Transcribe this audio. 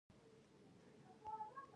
دوی ته تقاعد او درملنه ورکوي.